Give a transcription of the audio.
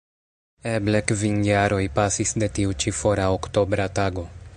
Eble kvin jaroj pasis de tiu ĉi fora oktobra tago.